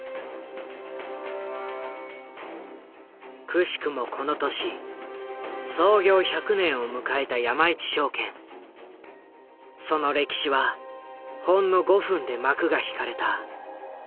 奇しくもこの年創業１００年を迎えた山一証券その歴史はほんの５分で幕が引かれた。